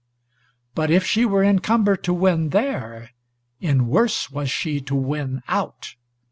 But if she were in cumber to win there, in worse was she to win out.